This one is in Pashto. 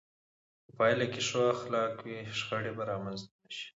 په پایله کې چې ښو اخلاق وي، شخړې به رامنځته نه شي.